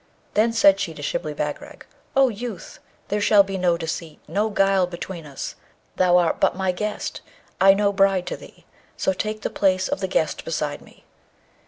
Then said she to Shibli Bagarag, 'O youth! there shall be no deceit, no guile between us. Thou art but my guest, I no bride to thee, so take the place of the guest beside me.'